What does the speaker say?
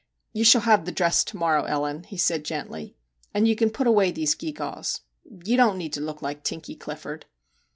' You shall have the dress to morrow, Ellen,' he said gently, ' and you can put away these gewgaws. You don't need to look like Tinkie Clifford.'